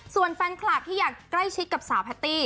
ส่วนแฟนคลับที่อยากใกล้ชิดกับสาวแพตตี้